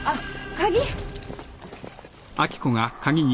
鍵！